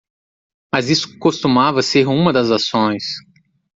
Mas isso costumava ser uma das ações.